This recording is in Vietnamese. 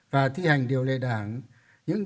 và thi hành điều lệ đảng những